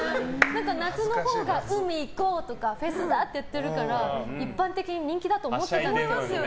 夏のほうが海行こう！とかフェスだって言ってるから一般的に人気だと思ってたんですよ。